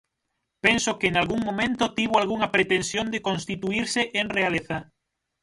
Penso que nalgún momento tivo algunha pretensión de constituírse en realeza.